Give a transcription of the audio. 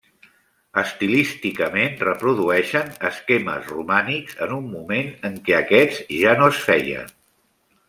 Estilísticament reprodueixen esquemes romànics en un moment en què aquests ja no es feien.